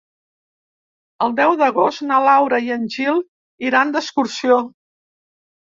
El deu d'agost na Laura i en Gil iran d'excursió.